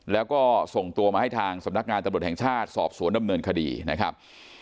แล้วก็ส่งตัวมาให้ทางสำนักงานตำรวจแห่งชาติสอบสวนดำเนินคดีนะครับ